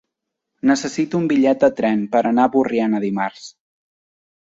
Necessito un bitllet de tren per anar a Borriana dimarts.